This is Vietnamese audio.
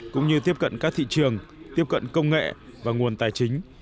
cũng như tiếp cận các thị trường tiếp cận công nghệ và nguồn tài chính